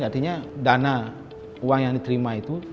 artinya dana uang yang diterima itu